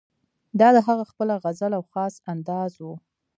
دا د هغه خپله غزل او خاص انداز وو.